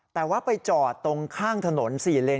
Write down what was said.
แต่ว่าไปจอดตรงข้างถนน๔เลน